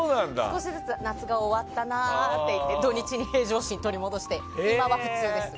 少しずつ夏が終わったなっていって土日に平常心を取り戻して今は普通です。